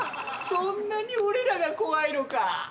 そんなに俺らが怖いのか。